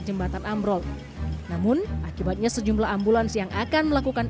jembatan ambrol namun akibatnya sejumlah ambulans yang akan melakukan